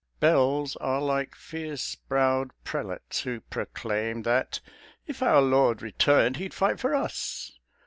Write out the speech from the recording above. Bells are like fierce browed prelates who proclaim That "if our Lord returned He'd fight for us."